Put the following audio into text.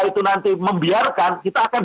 itu nanti membiarkan kita akan